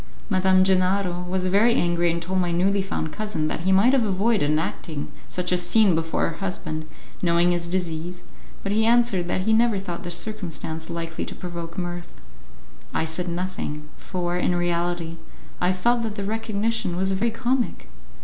Madame Gennaro was very angry and told my newly found cousin that he might have avoided enacting such a scene before her husband, knowing his disease, but he answered that he never thought the circumstance likely to provoke mirth. I said nothing, for, in reality, I felt that the recognition was very comic.